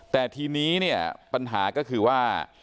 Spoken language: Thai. แต่ทีนี้เนี่ยปัญหาก็คือว่า